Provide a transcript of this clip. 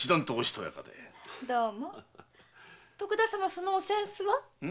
そのお扇子は？